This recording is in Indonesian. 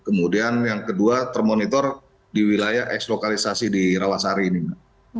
kemudian yang kedua termonitor di wilayah eks lokalisasi di rawasari ini mbak